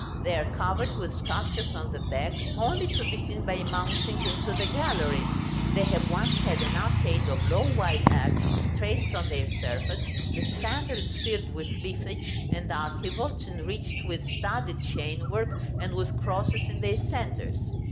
They are covered with sculptures on the back, only to be seen by mounting into the gallery. They have once had an arcade of low wide arches traced on their surface, the spandrils filled with leafage, and archivolts enriched with studded chainwork and with crosses in their centres.